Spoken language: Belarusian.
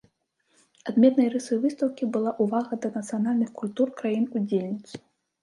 Адметнай рысай выстаўкі была ўвага да нацыянальных культур краін-удзельніц.